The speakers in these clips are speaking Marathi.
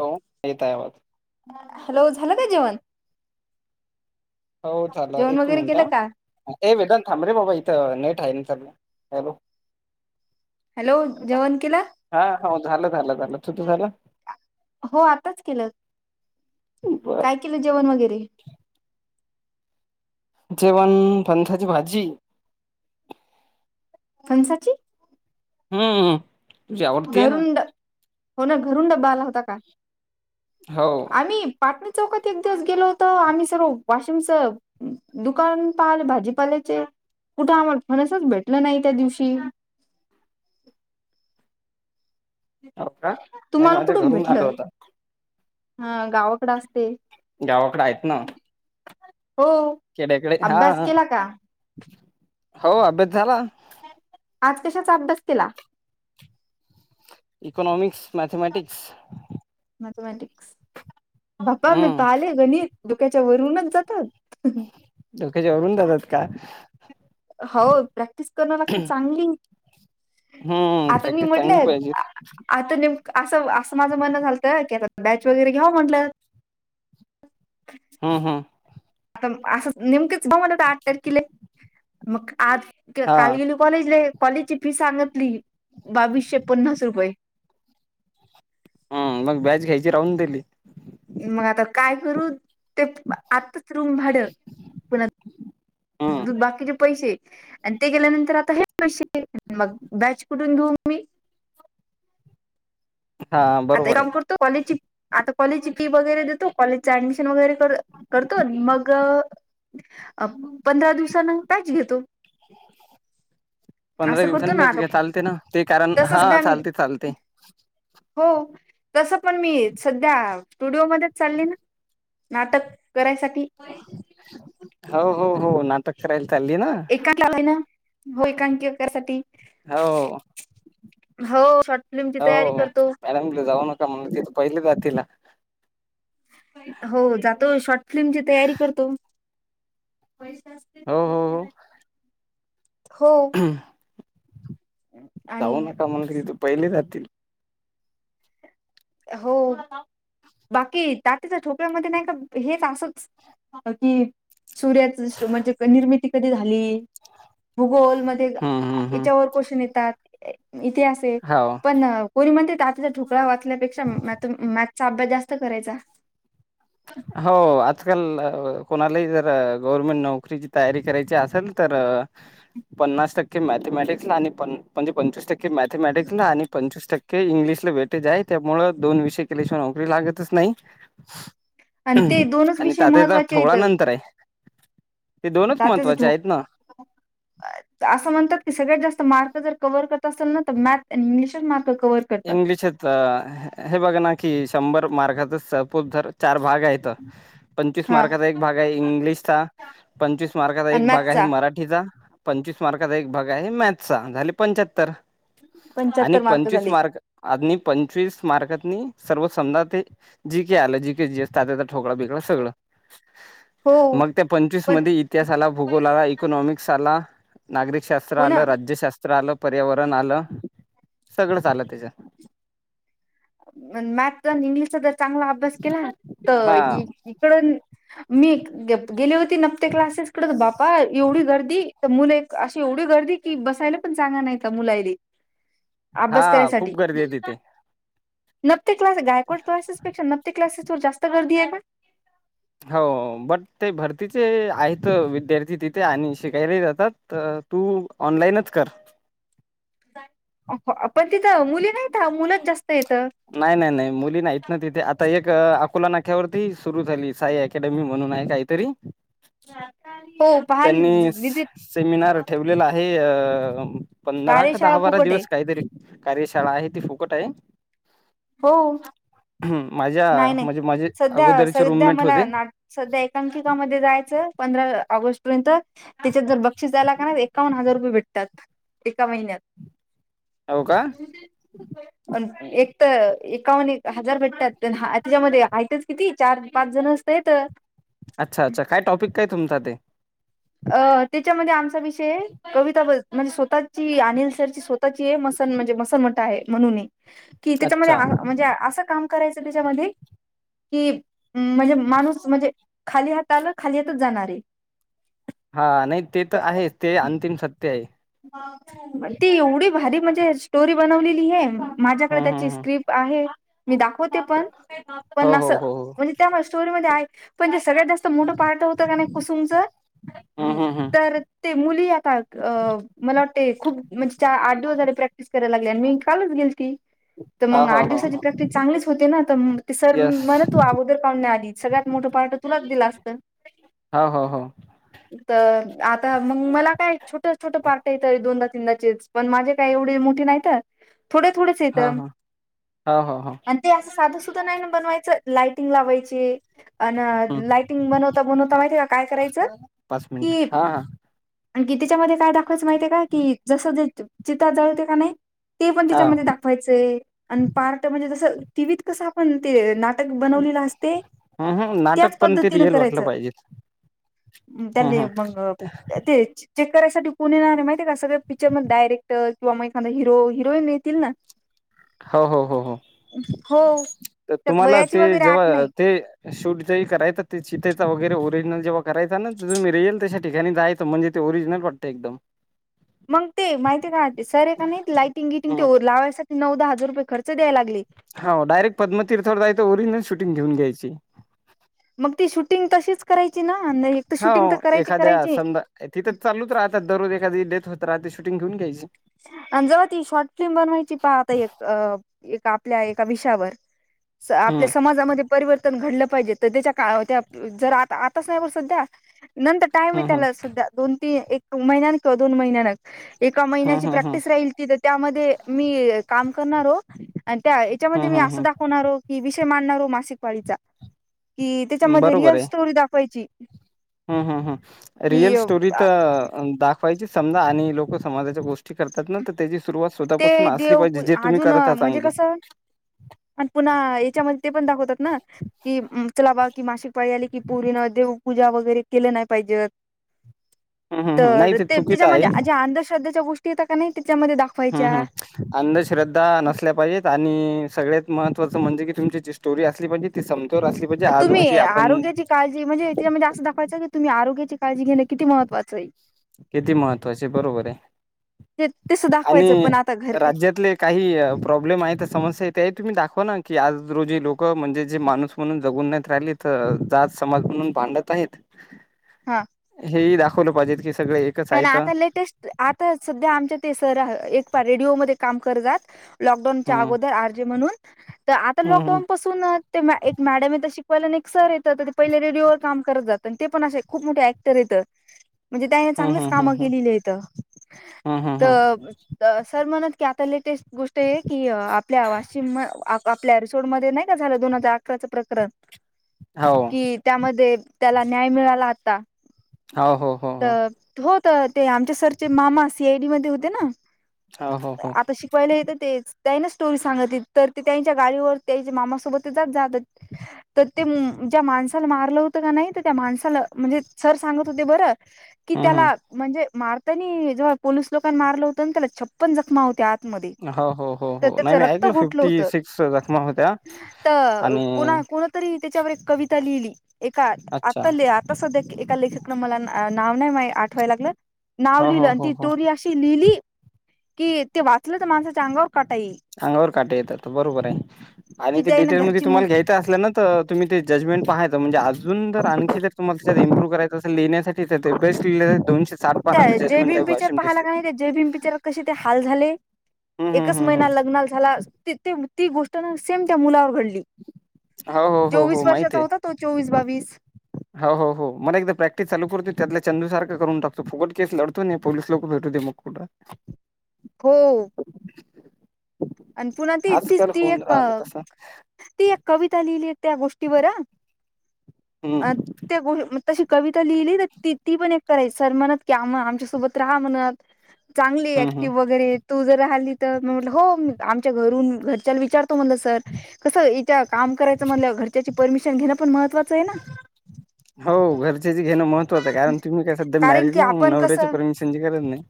हो एकता यावत हॅलो झालं काय जेवण हो चाला जेवण एक वगैरे मिनिट केलं का ह ए वेदान थांब रे बाबा इथं नेट आहे ना चाललं हॅलो हॅलो जेवण केलं हा हो झालं झालं झालं तुझ झालं हो आताच केलं बर काय केलं जेवण वगैरे जेवण पंथाची भाजी कोणसाची हम्म तुझी आवडती आहे ना घरुंड हो ना घरुून डब्बा आला होता का हो आम्ही पाटणी चौकात एक दिवस गेलो होत आम्ही सर्व वाशिम सब दुकान पाल भाजीपाल्याचे कुठं आम्हा फणासच भेटलं नाही त्या दिवशी हो का नइ तुम्हाला माझ्या कुठून घरून आल भेटलं होता. हा गावाकडे असते. गावाकडं आहेतच ना. हो खडे्याकडे हा अभ्यास केला का हो अभ्यास झाला. आज कशाच अभ्यास केला. इकोनॉमिक्स मॅथमॅटिक्स मॅथमॅटिक्स पपा मी हम्म पाहीले गणित डोक्याच्या वरूनच जातात डोकच्या वरून जातात का हो प्रॅक्टिस करणं लागते चांगली हम् आता मी प्रॅक्टिस चांगली म्हटलं पाहिजेत. आता ने असं असं माझं म्हणणं झालतं की आता बॅच वगैरे घ्याव म्हंटलं.. हम् हम्.. आता असं नेमकेच म्हण आठ तारखेला मग आज हा काल गेलो कॉलेजला कॉलेजची फी सांगितली बावीसशे पन्नास रुपये. हम मग बॅच घ्यायची राहून दिली. मग आता काय करू ते आत्ताच रूम भाड पुन हम्म बाकीचे पैसे आणि ते गेल्यानंतर आता हे पैसे मग बॅच कुठून घेऊ मी हा आता बरोबर आहे काम करतो कॉलेज आता कॉलेजची फी वगैरे देतो कॉलेजच ऍडमिशन वगैरे करतो मग अ पंधरा दिवसान पॅच घेतो पंधरा असं करतो ना दिवसांच आता घ चालते ना ते कारण तस हा सध्या चालते चालते हो तसं पण मी सध्या स्टुडिओमध्येध्येच चालली ना. नाटक करायसाठी हो हो हो नाटक करायला चालली ना. एकां आलाय ना हो एकांकसाठी हो. हो फिल्मची तयारी हो करतो मॅडमला जाऊ नका म्हण तिथ पहिले जातीलला. हो जातो शॉर्ट फिल्मची तयारी करतो. हो हो हो हो. हम् आणि जाऊ नका म्हण पहिले जातील. हो बाकी तातीच्या ठोपळ्यामध्ये नाही का हेच असंच. कि सूर्याच म्हणजे निर्मिती कधी झाली भूगोल मध्ये हम्म हम्म हम्म याच्यावर क्वेशन येतात इतिहास आहे हो पण कोणी म्हणते तातचा ढोकळा वाचल्यापेक्षा म मॅथचा अभ्यास जास्त करायचा. हो आजकाल कोणालाही जर गव्हर्मेंट नोकरीची तयारी करायची असेल तर पन्नास टक्के मॅथमॅटिक्सला आणि म्हणजे पंचवीस टक्के मॅथमॅटिक्स ला आणि पंचवीस टक्के क इंग्लिशला व्हेटेज आहे त्यामुळ दोन विषय केल्याशिवाय नोकरी लागतच नाही आणि ते ह दोनच आणि विषय तचाचा महत्त्वाचे ठोवळा नंतर आहे ते दोनच त्यातच महत्त्वाचे ठोक आहेत ना. असं म्हणतात की सगळ्यात जास्त मार्क जर कव्ह करत असेल ना तर मॅथ आणि इंग्लिशच मार्क कव्हर करतात इंग्लिश ह तर हे बघा ना की शंभर मार्गातच सपूप जर चार भाग आहेत तर पंचवीस हा मार्काचा एक भाग आहे इंग्लिशचा पंचवीस मार्काचा आणि एक भाग आहे मॅथचा मराठी हिचा पंचवीस मार्काचा एक भाग आहे मॅथचा झाले पंच्याहत्तर आणि पंच्याहत्तर पंचवीस झाले मार्क आजनी पंचवीस मारकांतनी सर्व समजा ते जीके आलं जीके जी तात्याच्या ठोकळा बिकड सगळं हो मग त्या पंचवीस पण मध्ये इतिहास आला भूगोल आला इकॉनॉमिक्स आला नागरिकशास्त्र हो ना आलं राज्यशास्त्र आलं पर्यावरण आलं सगळंच आलं त्याच मॅथ आणि इंग्लिशचा जर चांगला अभ्यास केला तर हा इकडून मी गेली होती नफ्ते क्लासेस कडे बापा एवढी गर्दी तर मुलं एक अशी एवढी गर्दी कि बसायला पण चांग नाही मुला अभ्यास हां, करायसाठी खूप गर्दी आहे तिथे. नते क्लास गायकवाड क्लासेस पेक्षा न्ते क्लासेसवर जास्त गर्दी आहे का हो बट ते भरतीचे आहेत विद्यार्थी तिथे आणि शिकायलाही जातात तू ऑनलाईनच कर पण तिथं मुली नाहीत मुलंच जास्त येत नाही नाही नाही मुली नाहीत ना तिथे आता एक अकोला नाख्यावरती सुरू झाली साई अकॅडमी म्हणून आहे का तेरी हा पहाल विज स सेमिनार ठेवलेला आहे अ पंधरा का कार्यशाळा दहा बारा फुकट आहे दिवस काहीतरी कार्यशाळा आहे ती फुकट आहे. हो माझ्या नाही नाही म्हणजे माझे सध्या अगोदरचे सविध्या रूममेट होते. मला नाट सध्या एकांकिकामध्ये जायचं पंधरा ऑगस्ट पर्यंत त्याच्यात जर बक्षीस जायला का ना एकाव्न हजार रुपये भेटतात एका महिन्यात. हो का? एक तर एकावन हजार भटतात हा त्याच्यामध्ये तच किती चार पाच जण असतेत अच्छा अच्छा काय टॉपिक काय तुमचा ते अ त्याच्यामध्ये आमचा विषय कविता बद् म्हणजे स्वतःची अनिल सरची स्वः म्हणजे मसन म्हणून की त्या अच्छा, म्हणजे अस काम करायचं त्याच्यामध्ये कि म्हणजे माणूस म्हणजे खाली हात आला खाली हातच जाणार आहे हा नाही ते तर आहे ते अंतिम सत्य आहे ती एवढी भारी म्हणजे स्टोरी बनवलेली आहे माझ्याकडे हम्म त्याची हम्म हम्म स्क्रिप्ट आहे मी दाखवते पण हो पण हो हो हो म्हणजे त्या स्टोरीमध्ये आहे पण तेे सगळतस्त मोठं पार्ट होतं का नाही कुसुमचं हम्म हम्म हम्म तर ते मुली आता मला वाटतें खूप म्हणजे चार आठ दिवस झाले प्रॅक्टिस करायला लागली आणि मी कालच गेल ती तर हो मग हो आठ हो दिवसाची हो प्रॅक्टिस चांगलीच होते ना तर ते सर येस म्हण तू अगोदर पाहण्या आधी सगळ्यात मोठं पार्ट तुलाच दिलं असतं हो हो हो तर आता मग मला काय छोट छोटं पार्क दोनदा तीनदाचेच पण माझे काही एवढी मोठी नाहीत. थोड थोडच येत. हा हा हो हो हो ते असं साधं सुद्धा नाही ना बनवायचं लाइटिंग लावायची अ हम्म लाइटिंग बनवता बनवता माहितीय का काय करायचं पाच मिनिट की हा हा आण की तिच्यामध्ये काय दाखवायचं माहितीय का की जसं ज चित्र जळते का नाही ते पण हा त्याच्यामध्ये दाखवायचं आणि पार्ट म्हणजे जसं टीव्त कसं आपण ते बनले अस हम्म हम्म त्याच नाटक पण ते पद्धतीन रिअल वाटलं करायचं पाहिजे हम्म त्याने हम्म मग ते चेक करायसाठी कोु ना नाही माहि आहे का सगळ्या पिक्चरमध्ये डायरेटर किंवा मखादा हिरो हिरोईन येतील ना हो हो हो हो हो तर त्यात तुम्हाला वयाची ते वगैरे आठ जेव्हा नाही ते शूट जही करायचा तेिताय वैरेओरिजिनल जेव्हा करायचा ना तु मी र येईल त्याश ठिकाणी जाय म्हणज ते ओरिजनल वाटत एकम मग ते माहिती आहे का ते सरे का नाही लाई टिंगिटिंग हम्म ते लावायसाठी नऊदा हजार रुपये खर्च द्याय लागले. हो डायरेक्ट पद्मतीर्थावर जायचं ओरिजिन शूटिंग घेऊन घ्यायची. मग ती शूटिंग तशीच करायची ना नाही एक तर हो शूटिंग तर करायची एखाद्या करायची. समजा तिथं चालच राहता दररोज एखादी डेथ होत राहते शूटिंग घेऊन घ्यायची. आणि जव्हा ती शॉर्ट फिल्म बनवायची पहा आता एक अ एका आपल्या एका विषयावर हम्म आपल्या समाजामध्ये परिवर्तन घडलं पाहिजे तर त्याच्या काळ जर आता आताच नाही सध्या नंतर टाम हं, हं. त्याला सध्या दोन तीन एक महिन्या किंवा दोन महिन्या एका हं, महिन्याची हं, हं. प्रॅक्टिस त्यामध्ये मी काम करणार आणि त्या याच्यामध्ये हं, मी हं, अस दाखवणार ही विषय मांडणार हो मासिक वाळीचा कि हं. त्याच्यामध्ये रिअल स्टोरी दाखवायची. हम् हम्म हम् रिअल कि स्टोरी तर दा समजा आणि लोक समाजाच्या गोष्टी करतात ना तर त्याची सुरुवात. ते स्वतःपासून असली देव पाहिजे, जे तुम्ही अजून करत आहात म्हणजे चांगली. कसं. आणि पुन्हा याच्यामध्ये ते पण दाखवतात ना कि चला बा कि मासिक पाळी आले की पूरी न देवपूजा वगैरे केलं नाही पाहिजे. हं, हं, हं. नाही तर ते चुकीचं आहे. त्याच्यामध्ये जे अंधश्रद्धेच्या गोष्टी येत का नाही त्याच्यामध्ये हं, दाखवायच्या हं. अंधश्रद्धा नसल्या पाहिजेत आणि सगळ्यात महत्त्वाचं म्हणजे कि तुमची जी स्टोरी असली पाहिजे. ती समतोल असली पाहिजे. आज तुम्ही रोजी आपण आरोग्याची काळजी म्हणजे तिला जास्त दाखवायचं क तुम्ही आगचीळजी घें कितीहत्चं आहे. किती महत्त्वाचे बरोबर आहे. ते तसं दाखवायचं आणि पण आता घर राज्यातले काही प्रॉब्लेम आहे समस्या आहे ते तुम्ही दाखवा ना की आज रोजी लोक म्हणजे जे माणूस म्हणून जगून नाही राहिली तर जात समाज म्हणून भांडत आहेत. हा हे दाखवलं पाहिजे की सगळे एकच आणि आहेत आता लेटेस्ट आता सध्या आमच्या ते सर एक पार रेडिओ मध्ये काम करतात. लॉकडाऊनच्या हम्म अगोदर अर्जे म्हणून तर आता हम्म लॉकडाऊन पासून ते एक मॅडम येत शिकवायला आणि एक सर येतं ते पहिले रेडिओ व काम करत जात आणि ते पण असे खूप मोठे तर येत म्हणजे त्याने हम्म चांगलीच हम्म काम हम्म हम्म. केलेली आहेत हम्म हम्म हम्म तर सर म्हणत की आता लेटेस्ट गोष्ट आहे की आपल्या वाशिम आपल्या एरिसोड मध्ये नाही का झालं दोन हजार अकराचं प्रकरण हो कि त्यामध्ये त्याला न्याय मिळाला आता. हो हो हो. तर होत ते आमच्या सरचे मामा सी आय डी मध्ये होते ना हो हो हो आता शिकवायला येतं तेच त्या ना स्टोरी सांगतली तर ते त्यांच्या गाडीवर त्यांच्या मामा सोबतच जात जा तर ते ज्या माणसाला मारलं होतं का नाही तर त्या माणसाला म्हणजे सर सांगत होते बरं कि हम्म हम्म. त्याला म्हणजे मारतानी जेव्हा पोलीस लोकांना मारलं होतं त्याला छप्पन जखमा होत्यात मध्ये हो हो हो हो त्याच नाही मी रक्त ऐकलं घोटाल होत फिफ्टी सिक्स जखमा होत्या त आणि कोण कोणा तरी त्याच्यावर एक कविता लिहिली एका अच्छा आता ले आता सध्या एका लेखक न मला नाव - - नाय माय आठवायला लागलं. नाव हो लिहिलं हो अन् हो ती हो स्टोरी अशी - - लिहिली कि ते वाचलं तर, माणसाच्या अंगावर काटा येईल. अंगावर काटा येतात. बरोबर हाय आणि कि ते त्यान डिटेल मध्ये घरची तुम्हाला घ्यायचं असलना तर तुम्ही ते जजमेंट पाहायचं म्हणजे अजून जर आणखी जर तुम्हाला जर इ्प्रूव्ह करायचं असे लिण्यासाठी तर ते बेस्ट लिहिलेले दोनशे साठ त्या पानांचं जय जजमेंट हाय भीम पिक्चर वाशिम पाहायला का नाही डिस्ट्रिक्ट त्या जय भीम पिक्चरात कसे ते हाल झाले, हं, एक - हं, हं, हं. - ती ती ती गोष्ट ना सेम त्या मुलावर घडली. हो, हो, हो, चोवीस हो माहिती वर्षाचा आहे. होता - - तो चोवीस बावीस हो, हो, हो. मला एकदा प्रॅक्टिस चालू करू दे ते आपल्या चंदूसारख करून टकतो. फुकट केस लढतो आणि पोलीस लोक भेटु दे मग कुठं हो. आणि पुन्हा ती तीच आजकाल ती होऊन राहिलं एक- तसं. - ती एक कविता लिहिली आहे त्या गोष्टीवर हं, अ त्या गो तशी कविता लिहिली ना ती ती पण एक करायची सर म्हणत की आम आमच्यासोबत राहा म्हण चांगली हं, हं. ऍक्टिव वगैरे तू जर राहिली तर? मी म्हटलं हो. आमच्या घरून घरच्याला विचारतो म्हटलं सर कसं इथ काम करायचं म्हणल्यावर, घरच्याची परमिशन घेणं पण महत्त्वाचं हेना. हो घरच्याचे घेणं महत्वाचं हाय कारण तुम्ही काय सध्या कारण मॅरिड की नव्ह म्हणून आपण नवऱ्याची कसं परमिशनची गरज नाही.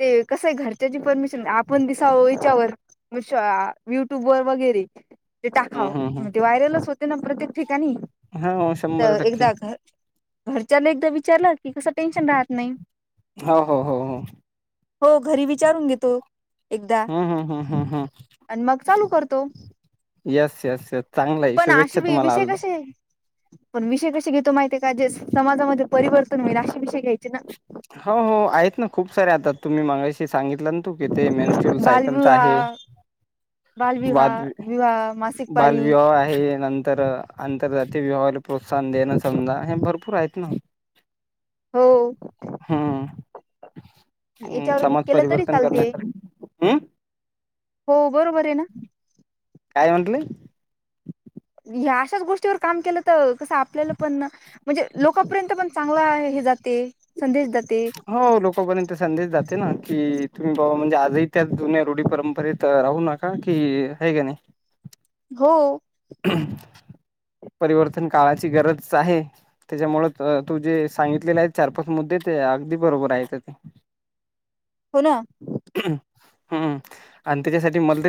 ते कसं हाय घरच्याची परमिशन आपण दिसावे - - तर मिशोअ यट्यूबवर वैगरे ते हं, हं, हं. ना प्रत्येक ठिकाणी, हो तर एकदा घ घरच्यांन एकदा विचारलं की कसं टेन्शन राहत नाही. हो, हो, हो, हो. हो घरी विचारून घेतो एकदा हम, हम, हा, हम, हा. आणि मग चालू करतो. येस येस यस चांगलयं. पण असे शुभेच्छा वि तुम्हाला विषय आल्ल - - कसे पण विषय कसे घेतो माहितीय का जे समाजामध्ये परिवर्तन होईल अशी विषय घ्यायचे ना. हो, हो. आहेत ना. खूप सारे. आता तुम्ही मागाशी सांगितलं तू तिथेमेनस्टल सायकलचा आहे. बालविवाह वाद बालविवाह विवाह मासिक पाळी बालविवाह आहे. नंतर - - आंतरजातीय विवाहाला प्रोत्साहन देणं समजा हे भरपूर आहेत ना. हो. हम्म! ह् याच्यावर समाज केलं तरी परिवर्तन चालते करण्यासाठी, हम्म हो बरोबर हेना. काय म्हटली? ह्या अशाच गोष्टीवर काम केलं तर कस आपल्याला पण ना म्हणजे लोकपर्यंत पण चांगला हे जाते. संदेश जाते. हो. लोकांपर्यंत संदेश जाते ना की तुम्ही बाबा म्हणजे आजही त्या जुन्या रुढी परंपरेत राहू नका. का की हे कीनाय. हो. परिवर्तन काळाची गरज आहे. त्याच्यामुळे तू जे सांगितलेले आहे चार पाच मुद्दे ते अगदी बरोबर आहेत ते. हो ना. हम् आणि त्याच्यासाठी मला तरी